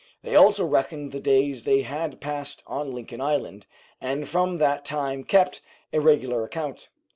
They also reckoned the days they had passed on Lincoln Island, and from that time kept a regular account.